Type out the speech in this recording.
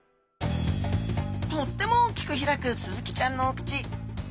とっても大きく開くスズキちゃんのお口。